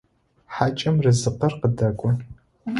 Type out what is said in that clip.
Хьакӏэм рызыкъыр къыдэкӏо.